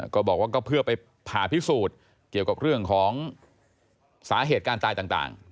ก็บอกว่าก็เพื่อไปผ่าพิสูจน์เกี่ยวกับเรื่องของสาเหตุการตายต่าง